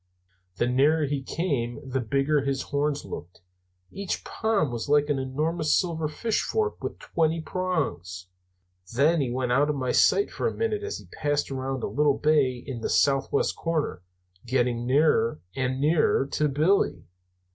The nearer he came the bigger his horns looked; each palm was like an enormous silver fish fork with twenty prongs. Then he went out of my sight for a minute as he passed around a little bay in the southwest corner, getting nearer and nearer to Billy.